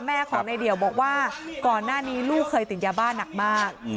แม่ของในเดี่ยวบอกว่าก่อนหน้านี้ลูกเคยติดยาบ้านหนักมาก